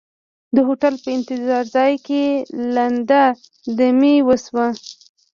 د هوټل په انتظار ځای کې لنډه دمې وشوه.